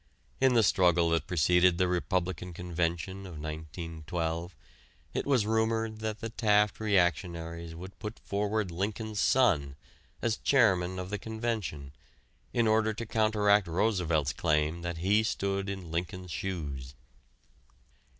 In the struggle that preceded the Republican Convention of 1912 it was rumored that the Taft reactionaries would put forward Lincoln's son as chairman of the convention in order to counteract Roosevelt's claim that he stood in Lincoln's shoes.